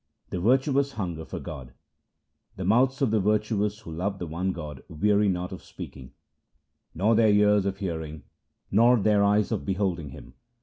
The virtuous hunger for God :— The mouths of the virtuous who love the One God weary not of speaking, Nor their ears of hearing, nor their eyes of beholding Him.